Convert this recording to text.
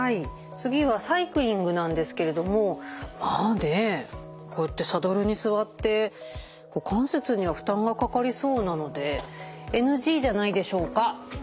次はサイクリングなんですけれどもまあねこうやってサドルに座って股関節には負担がかかりそうなのでＮＧじゃないでしょうか？